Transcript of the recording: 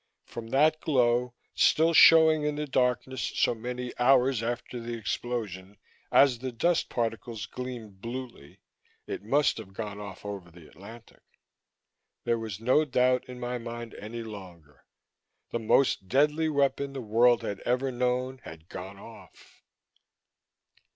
From that glow, still showing in the darkness so many hours after the explosion as the dust particles gleamed bluely, it must have gone off over the Atlantic. There was no doubt in my mind any longer. The most deadly weapon the world had ever known had gone off!